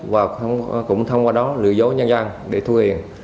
và cũng thông qua đó lừa dối nhân dân để thu tiền